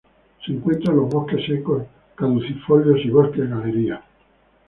Se encuentra en los bosques secos caducifolios y bosques galería.